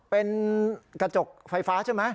เป็นกระจกไฟฟ้าใช่ไหม